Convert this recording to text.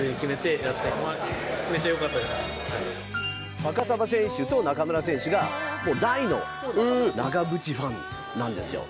ファカタヴァ選手と中村選手が大の長渕ファンなんですよ。